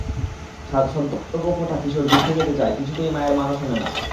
সদ্য গোঁফ ওঠা কিশোর যুদ্ধে যেতে চায়, কিছুতেই মায়ের মানা শোনে না।